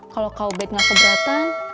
kalau kak ubed nggak keberatan